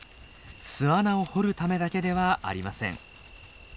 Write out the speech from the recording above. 巣穴を掘るためだけではありません。